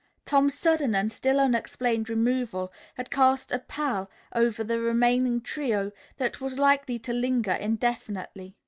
Tom's sudden and still unexplained removal had cast a pall over the remaining trio that was likely to linger indefinitely.